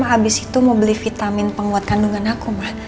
abis itu mau beli vitamin penguat kandungan aku ma